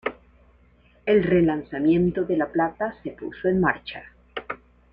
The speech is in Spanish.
El relanzamiento de la plata se puso en marcha.